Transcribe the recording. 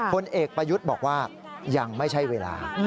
ผลเอกประยุทธ์บอกว่ายังไม่ใช่เวลา